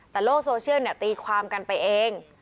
แต่โลกโซเชียลตีความกันไปเอง